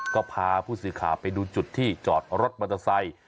ก็พาผู้สื่อข่าวไปดูจุดที่จอดรถมอเตอร์ไซค์